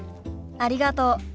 ありがとう。